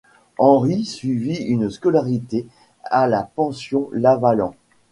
Henri suivit une scolarité à la pension Lavalant.